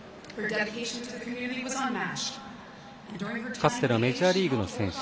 かつてのメジャーリーグの選手。